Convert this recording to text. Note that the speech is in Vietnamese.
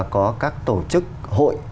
có các tổ chức hội